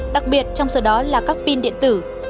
đặc biệt trong số đó là các pin điện tử